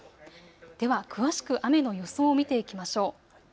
では詳しく雨の予想を見ていきましょう。